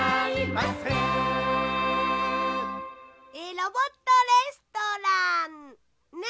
「ロボットレストラン」ね。